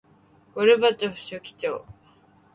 ゴルバチョフ書記長